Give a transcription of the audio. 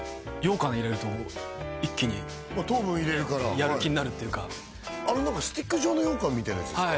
羊羹入れると一気にまっ糖分入れるからやる気になるっていうかスティック状の羊羹みたいなやつ？